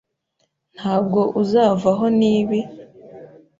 Ntabwo uzavaho nibi, .